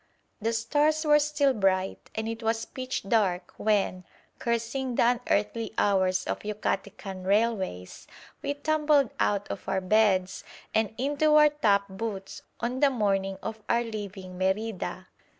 The stars were still bright and it was pitch dark when, cursing the unearthly hours of Yucatecan railways, we tumbled out of our beds and into our top boots on the morning of our leaving Merida.